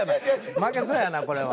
負けそうやなこれは。